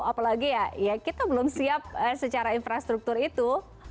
apalagi ya kita belum siap secara infrastruktur itu